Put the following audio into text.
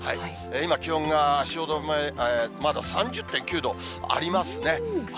今、気温が汐留、まだ３０．９度ありますね。